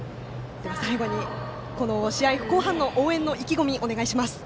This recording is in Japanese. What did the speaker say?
最後に試合後半の応援の意気込みをお願いします。